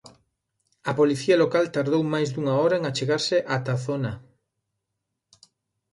A policía local tardou máis dunha hora en achegarse ata a zona.